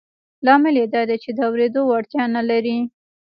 لامل یې دا دی چې د اورېدو وړتیا نه لري